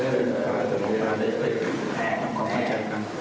เพื่อนปลาแต่ลงปลาได้ต่อความเข้าใจกัน